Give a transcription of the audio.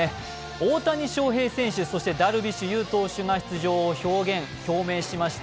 大谷翔平選手、そしてダルビッシュ有投手が出場を表明しました。